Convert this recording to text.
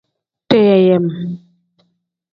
Deyeeyem.